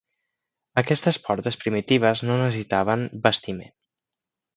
Aquestes portes primitives no necessitaven bastiment.